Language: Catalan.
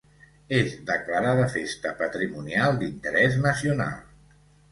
És declarada Festa Patrimonial d'Interès Nacional.